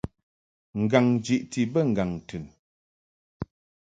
Ngaŋ jiʼti bə ŋgaŋ tɨn.